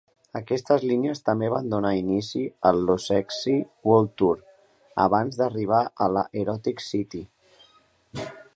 Aquestes línies també van donar inici al Lovesexy World Tour, abans d'arribar a la "Erotic City".